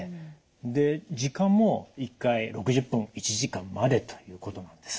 で時間も１回６０分１時間までということなんですね。